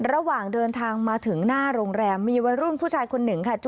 ระหว่างเดินทางมาถึงหน้าโรงแรมมีวัยรุ่นผู้ชายคนหนึ่งค่ะ